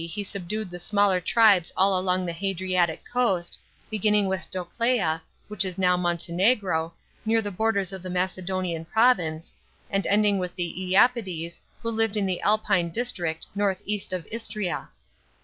he subdued the smaller tribes all along the Hadrintic coast, beginning with Doclea (which is now Montenegro) near the borders of the Macedonian province, and ending with the lapydes who lived in the Alpine d strict north east of Istria.